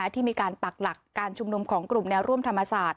ที่มีการปักหลักการชุมนุมของกลุ่มแนวร่วมธรรมศาสตร์